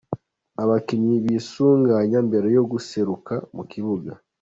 Abakinnyi bisuganya mbere yo guseruka mu kibuga.